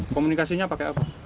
komunikasinya pakai apa